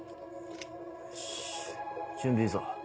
よし準備いいぞ。